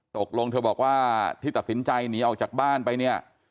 ตกลงเธอบอกว่าที่ตัดสินใจหนีออกจากบ้านไปเนี่ย